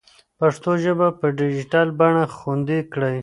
پښتو ژبه په ډیجیټل بڼه خوندي کړئ.